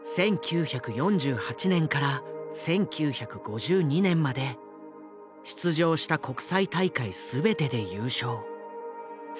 １９４８年から１９５２年まで出場した国際大会全てで優勝。